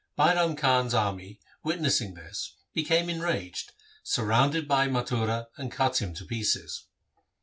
Bairam Khan's army witnessing this, became en raged, surrounded Bhai Mathura, and cut him to pieces.